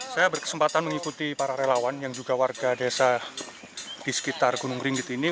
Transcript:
saya berkesempatan mengikuti para relawan yang juga warga desa di sekitar gunung ringgit ini